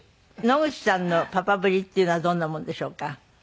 野口さんのパパぶりっていうのはどんなものでしょうか？